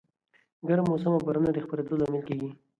ګرم موسم او بارانونه د خپرېدو لامل دي.